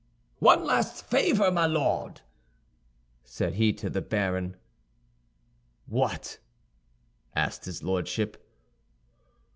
"One last favor, my Lord!" said he to the baron. "What?" asked his Lordship.